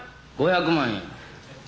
５００万円。